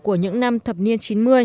của những năm thập niên chín mươi